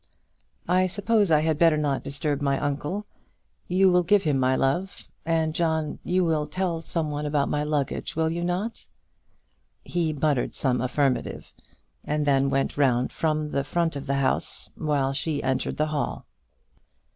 "I suppose I had better not disturb my uncle. You will give him my love. And, John, you will tell some one about my luggage; will you not?" He muttered some affirmative, and then went round from the front of the house, while she entered the hall.